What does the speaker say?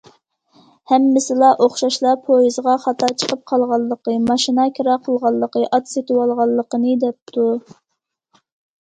ھەممىسىلا ئوخشاشلا پويىزغا خاتا چىقىپ قالغانلىقى، ماشىنا كىرا قىلغانلىقى، ئات سېتىۋالغانلىقىنى دەپتۇ.